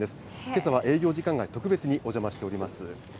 けさは営業時間外、特別にお邪魔しております。